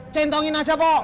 centongin aja pak